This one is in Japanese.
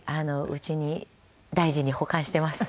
うちに大事に保管しています。